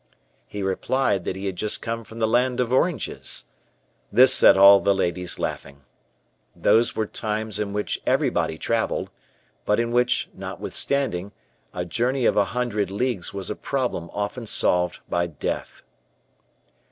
He replied that he had just come from the land of oranges. This set all the ladies laughing. Those were times in which everybody traveled, but in which, notwithstanding, a journey of a hundred leagues was a problem often solved by death.